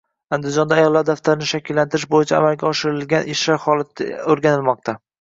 Andijonda “Ayollar daftari”ni shakllantirish bo‘yicha amalga oshirilgan ishlar holati o‘rganilmoqda